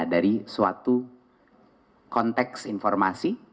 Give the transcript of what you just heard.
dari suatu konteks informasi